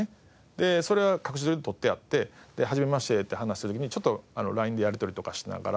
でそれは隠し撮りで撮ってあって「はじめまして」って話をする時にちょっとＬＩＮＥでやり取りとかしながら。